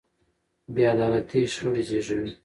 بې عدالتي شخړې زېږوي